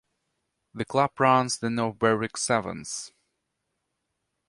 The club runs the North Berwick Sevens.